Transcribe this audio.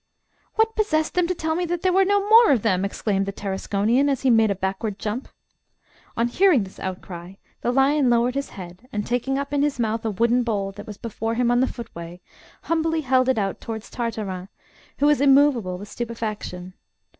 "What possessed them to tell me that there were no more of them?" exclaimed the Tarasconian, as he made a backward jump. On hearing this outcry the lion lowered his head, and taking up in his mouth a wooden bowl that was before him on the footway, humbly held it out towards Tartarin, who was immovable with stupefaction.